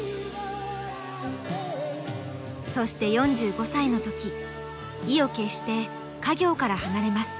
そして４５歳の時意を決して家業から離れます。